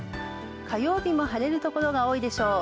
火曜日も晴れる所が多いでしょう。